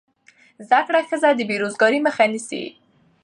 زده کړه ښځه د بېروزګارۍ مخه نیسي.